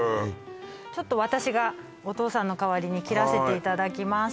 ちょっと私がお父さんの代わりに切らせていただきます